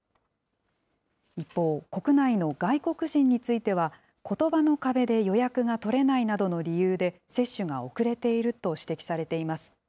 一方、国内の外国人については、ことばの壁で予約が取れないなどの理由で、接種が遅れていると指摘されています。